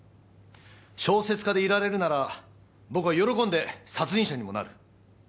小説家でいられるなら僕は喜んで殺人者にもなる。